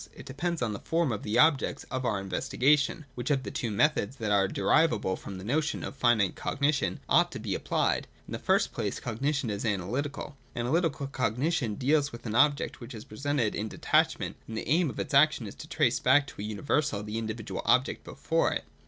It depends on the form of the objects of our investigation, which of the two methods, that are derivable from the notion of finite cognition, ought to be applied. In the first place, cognition is analytical. Anatytical cognition deals with an object which is presented in detachment, and the aim of its action is to trace back to a universal the individual object before it.